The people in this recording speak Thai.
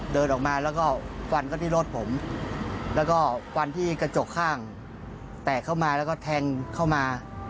เดินออกมาแล้วก็ฟันเขาที่รถผมแล้วก็ฟันที่กระจกข้างแตกเข้ามาแล้วก็แทงเข้ามา